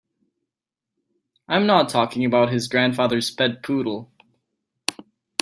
I'm not talking about his grandfather's pet poodle.